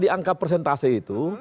angka presentasi itu